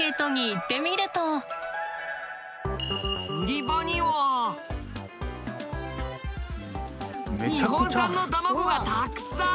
売り場には日本産の卵がたくさん！